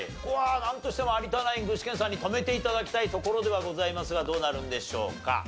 ここはなんとしても有田ナイン具志堅さんに止めて頂きたいところではございますがどうなるんでしょうか？